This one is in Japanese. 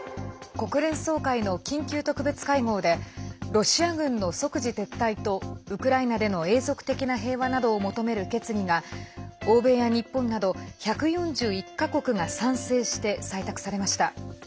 国連総会の緊急特別会合でロシア軍の即時撤退とウクライナでの永続的な平和などを求める決議が欧米や日本など１４１か国が賛成して採択されました。